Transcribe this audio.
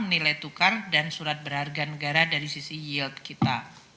nilai tukar dan surat berharga negara dari sisi yield kita